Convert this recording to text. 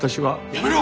やめろ！